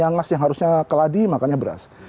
orang melaka yang harusnya keladi makannya beras